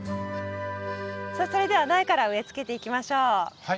さあそれでは苗から植えつけていきましょう。